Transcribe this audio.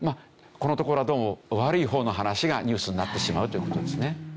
このところはどうも悪い方の話がニュースになってしまうという事ですね。